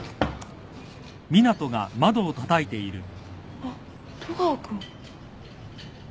・・あっ戸川君。